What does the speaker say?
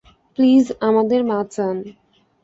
Please আমাদের বাঁচান।